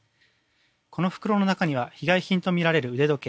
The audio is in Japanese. この袋の中には被害品とみられる腕時計